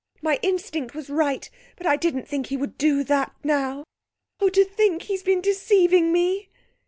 My instinct was right, but I didn't think he would do that now. Oh, to think he's been deceiving me!'